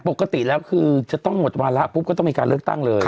ปกติแล้วคือจะต้องหมดวาระปุ๊บก็ต้องมีการเลือกตั้งเลย